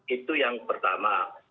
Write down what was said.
itu yang pertama